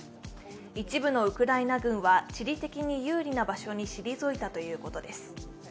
一部のウクライナ軍は地理的に有利な場所に退いたということです。